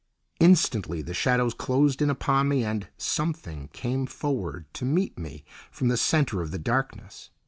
Instantly the shadows closed in upon me and "something" came forward to meet me from the centre of the darkness.